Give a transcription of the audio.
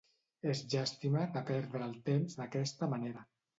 És llàstima, de perdre el temps d'aquesta manera.